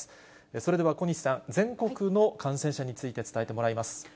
それでは小西さん、全国の感染者について伝えてもらいます。